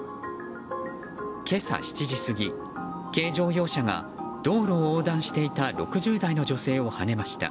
今朝７時過ぎ、軽乗用車が道路を横断していた６０代の女性をはねました。